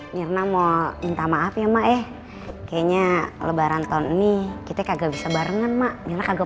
mirna mau minta maaf ya mak eh kayaknya lebaran tahun ini kita kagak bisa barengan mak mirna agak